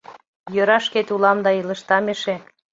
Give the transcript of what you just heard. Йӧра, шкет улам да илыштам эше.